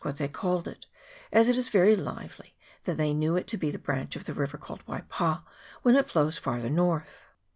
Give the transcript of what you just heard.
what they called it, as it is very likely that they knew it to be a branch of the river called the Waipa when it flows farther to the north.